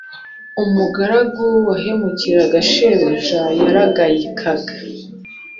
umugaragu wahemukiraga shebuja yaragayikaga.